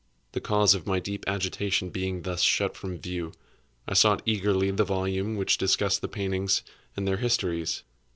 The cause of my deep agitation being thus shut from view, I sought eagerly the volume which discussed the paintings and their histories.